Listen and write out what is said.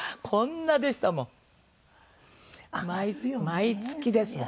毎月ですもん。